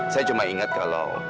saya cuma ingat kalau